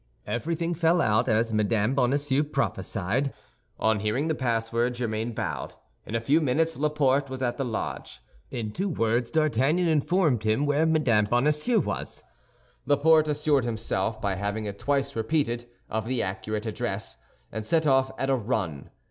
Everything fell out as Mme. Bonacieux prophesied. On hearing the password, Germain bowed. In a few minutes, Laporte was at the lodge; in two words D'Artagnan informed him where Mme. Bonacieux was. Laporte assured himself, by having it twice repeated, of the accurate address, and set off at a run.